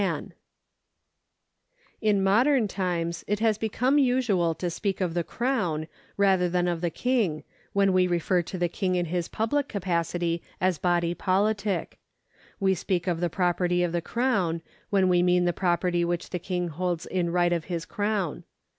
296 PERSONS [§119 In modern times it has become usual to speak of the Crown rather than of the King, when we refer to the King in his public capacity as a body pohtic. We speak of the property of the Crown, when we mean the property which the King hokls in right of his crown.